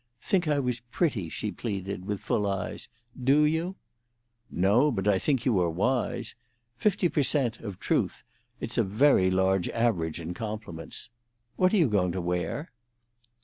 "Think I was pretty," she pleaded, with full eyes. "Do you?" "No, but I think you are wise. Fifty per cent, of truth—it's a large average in compliments. What are you going to wear?"